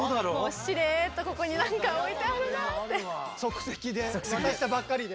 しれっとここに何か置いてあるなって。